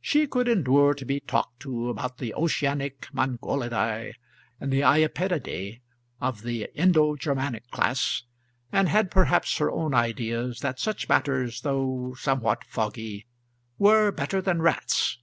She could endure to be talked to about the Oceanic Mongolidae and the Iapetidae of the Indo Germanic class, and had perhaps her own ideas that such matters, though somewhat foggy, were better than rats.